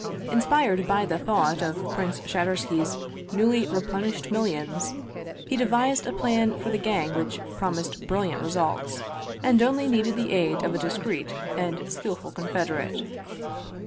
Inspired by the thought of Prince Shadur sky's newly replenished millions, he devised a plan for the gang which promised brilliant results, and only needed the aid of a discreet and skillful confederate.